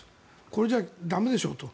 これじゃ駄目でしょと。